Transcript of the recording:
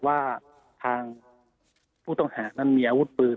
ว่าทางผู้ต้องหานั้นมีอาวุธปืน